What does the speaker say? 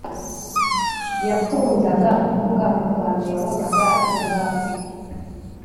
Yakundaga kuvuga ku bantu yabanaga akiri muri Afurika